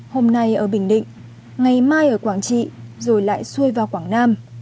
hôm nay ở bình định ngày mai ở quảng trị rồi lại xuôi vào quảng nam